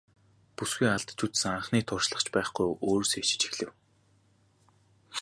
Бүсгүй алдаж үзсэн анхны туршлага ч байхгүй өөрөөсөө ичиж эхлэв.